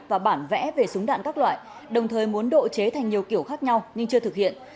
và bản vẽ về súng đạn các loại đồng thời muốn độ chế thành nhiều kiểu khác nhau nhưng chưa thực hiện